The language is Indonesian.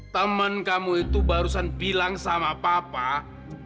teman kamu itu barusan bilang sama papa